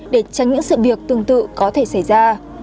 để tránh những sự việc tương tự có thể xảy ra